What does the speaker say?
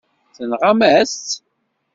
Tenɣam-as-tt.